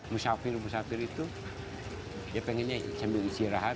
musyafir musyafir itu pengennya sambil istirahat